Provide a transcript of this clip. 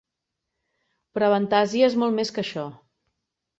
Però Avantasia és molt més que això!